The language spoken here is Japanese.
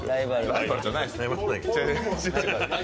ライバルじゃない。